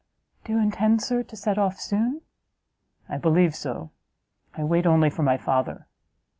"Do you intend, Sir, to set off soon?" "I believe so; I wait only for my father.